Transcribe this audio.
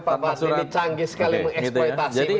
tapi memang pak mas ini canggih sekali mengeksploitasi